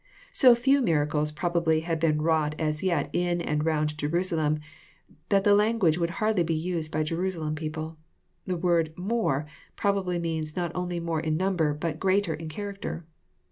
So few miracles probably had been wrought as yet in and round Jerusalem, that the language would hardly be used by Jerusalem people. The word " more " probably means not only more in number, but ''greater" in character.